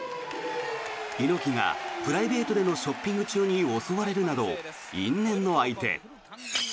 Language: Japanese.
猪木がプライベートでのショッピング中に襲われるなど因縁の相手。